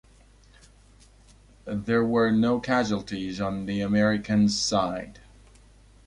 There were no casualties on the Americans' side.